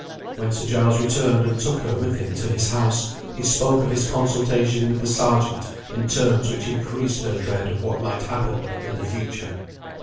When Sir Giles returned, and took her with him to his house, he spoke of his consultation with the Sergeant in terms which increased her dread of what might happen in the future.